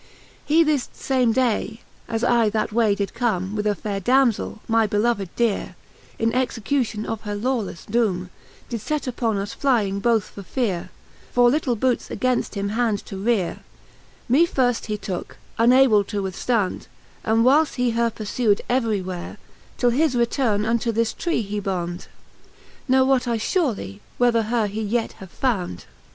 XVL He this fame day, as I that way did come With a faire Damzell, my beloved deare^ In execution of her lawlefle doome,, Did fet upon us flying both for fearer For little bootes againft him hand to rearer Me firft he tooke, unable to withflond j ' And whiles he her purfued every where, Till his returne unto this tree he bond : Ne wote I fiirely, whether her he yet have fond.